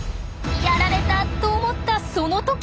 やられたと思ったその時。